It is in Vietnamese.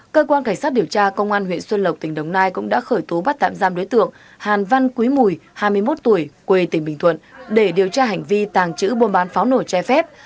cơ quan cảnh sát điều tra công an huyện xuân lộc tỉnh đồng nai cũng đã khởi tố bắt tạm giam đối tượng hàn văn quý mùi hai mươi một tuổi quê tỉnh bình thuận để điều tra hành vi tàng trữ buôn bán pháo nổi trái phép